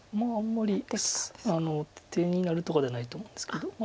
あんまり手になるとかではないと思うんですけど。